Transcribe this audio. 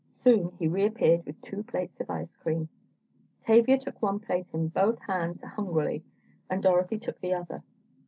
Soon he reappeared with two plates of ice cream. Tavia took one plate in both hands hungrily, and Dorothy took the other.